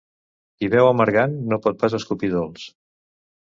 Qui beu amargant no pot pas escopir dolç.